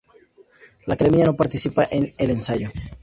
La Academia no participa en el ensayo.